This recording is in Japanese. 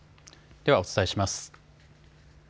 ではお伝えします。